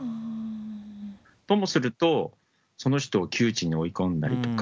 ともするとその人を窮地に追い込んだりとか。